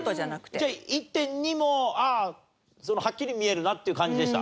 じゃあ１．２も「ああハッキリ見えるな」っていう感じでした？